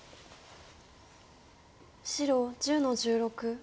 白１０の十六。